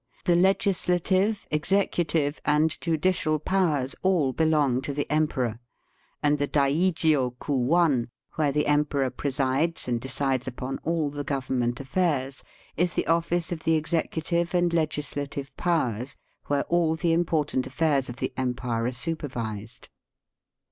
The legislative, executive, and judicial powers all belong to the emperor, and the Daijio Kuwan, where the emperor presides and decides upon all the Government affairs, is the office of the executive and legislative powers where all the important affairs of the empire are supervised.